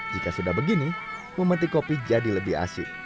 jika sudah begini memetik kopi jadi lebih asik